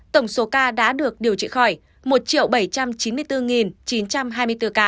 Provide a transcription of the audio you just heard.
tổng số ca đã được điều trị khỏi một bảy trăm chín mươi bốn chín trăm hai mươi bốn ca